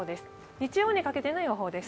日曜にかけての予報です。